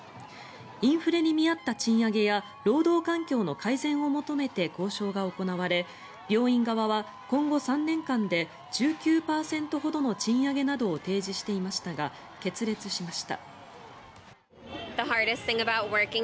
インフレに見合った賃上げや労働環境の改善を求めて交渉が行われ病院側は今後３年間で１９％ほどの賃上げなどを提示していましたが決裂しました。